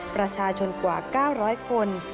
ประชาชนกว่า๙๐๐คน